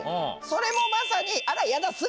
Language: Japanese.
それもまさにあらやだ！